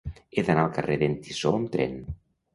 He d'anar al carrer d'en Tissó amb tren.